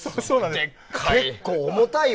結構、重たいよ。